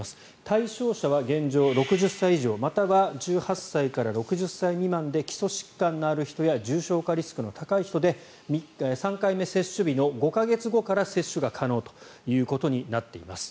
対象者は現状、６０歳以上または１８歳から６０歳未満で基礎疾患のある人や重症化リスクの高い人で３回目接種日の５か月後から接種が可能となっています。